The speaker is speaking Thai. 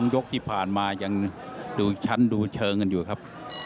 ยกที่ผ่านมายังดูชั้นดูเชิงกันอยู่ครับ